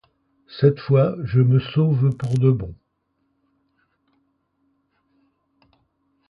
Cette fois, je me sauve pour tout de bon.